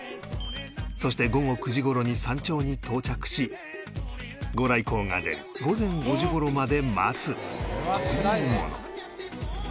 そして午後９時頃に山頂に到着し御来光が出る午前５時頃まで待つというもの